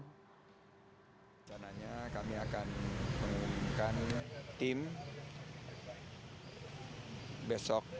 bersananya kami akan menggunakan tim besok